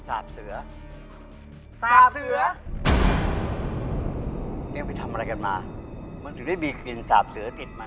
เราไปฝึกสมาธิกันดีกว่า